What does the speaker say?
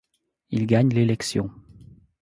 Il gagne l'élection.